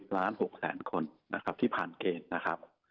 ๑๐ล้าน๖๐๐คนที่ผ่านเกณฑ์